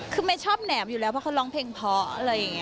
คือไม่ชอบแหนมอยู่แล้วเพราะเขาร้องเพลงเพราะ